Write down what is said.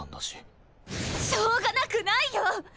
しょうがなくないよ！